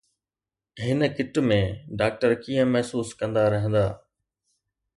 هن کٽ ۾ ڊاڪٽر ڪيئن محسوس ڪندا رهندا؟